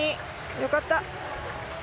よかった。